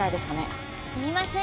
すみません。